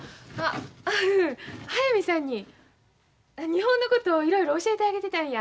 あうん速水さんに日本のこといろいろ教えてあげてたんや。